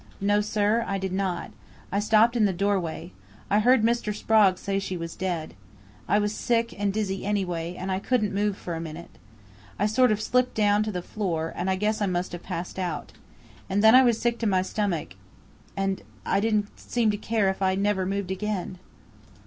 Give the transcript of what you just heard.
"No, sir, I did not. I stopped in the doorway. I heard Mr. Sprague say she was dead. I was sick and dizzy anyway, and I couldn't move for a minute. I sort of slipped down to the floor, and I guess I must have passed out. And then I was sick to my stomach, and I didn't seem to care if I never moved again."